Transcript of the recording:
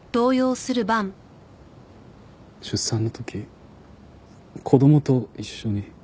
出産の時子供と一緒に。